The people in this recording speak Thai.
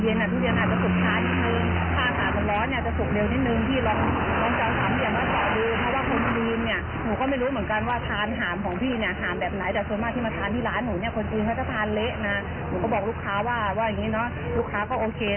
หนูก็บอกลูกค้าว่าลูกค้าก็โอเค